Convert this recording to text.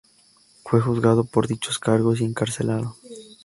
Fue juzgado por dichos cargos y encarcelado.